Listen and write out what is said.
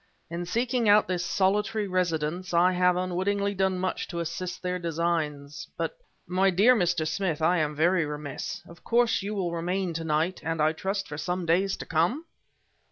In seeking out this solitary residence I have unwittingly done much to assist their designs... But my dear Mr. Smith, I am very remiss! Of course you will remain tonight, and I trust for some days to come?"